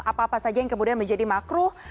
apa apa saja yang kemudian menjadi makruh